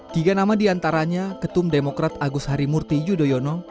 tiga nama diantaranya ketum demokrat agus harimurti yudhoyono